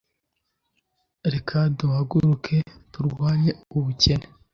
Reka duhaguruke turwanye ubukene